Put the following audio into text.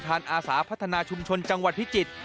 อาสาพัฒนาชุมชนจังหวัดพิจิตร